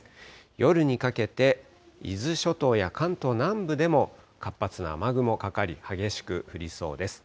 夜にかけて、伊豆諸島や関東南部でも活発な雨雲がかかり、激しく降りそうです。